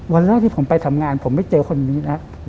วันแรกที่ผมไปทำงานผมไม่เจอคนนี้แล้ว